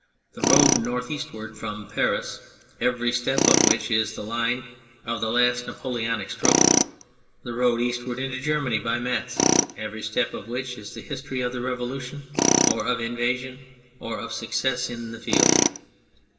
The road northeastward from Paris, every step of which is the line of the last Napole onic struggle. The road eastward into Germany by Metz, every step of which is the history of the Revolution, or of invasion, or of success in the field.